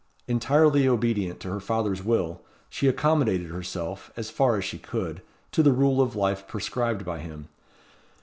Entirely obedient to her father's will, she accommodated herself, as far as she could, to the rule of life prescribed by him.